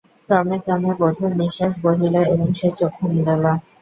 ক্রমে ক্রমে বধূর নিশ্বাস বহিল এবং সে চক্ষু মেলিল।